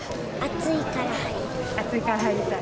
暑いから入りたい。